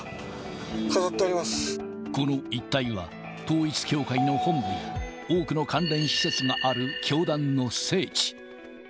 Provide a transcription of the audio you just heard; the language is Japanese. この一帯は、統一教会の本部や、多くの関連施設がある教団の聖地。